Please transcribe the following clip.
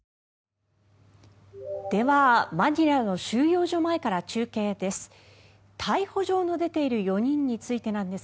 ではマニラの収容所前から中継です。